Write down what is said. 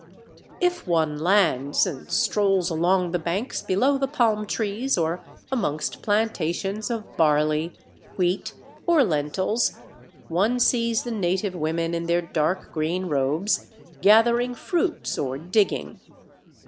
If one lands and strolls along the banks below the palm trees or amongst plantations of barley, wheat, or lentils, one sees the native women in their dark green robes gathering fruits or digging.